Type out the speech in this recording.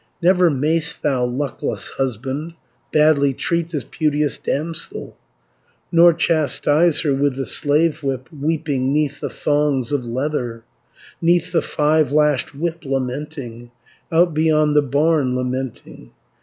"Never may'st thou, luckless husband, Badly treat this beauteous damsel, Nor chastise her with the slave whip, Weeping 'neath the thongs of leather, 190 'Neath the five lashed whip lamenting, Out beyond the barn lamenting.